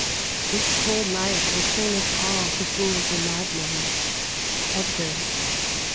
_ This cold night will turn us all to fools and madmen. "_Edgar.